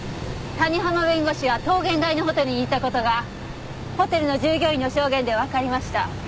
谷浜弁護士は桃源台のホテルにいた事がホテルの従業員の証言でわかりました。